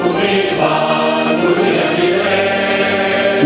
มีฟังดุลียะมีเวร